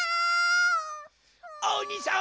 おにさん